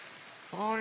あれ？